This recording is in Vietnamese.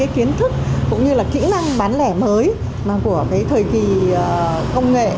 kiến thức cũng như là kỹ năng bán lẻ mới của thời kỳ công nghệ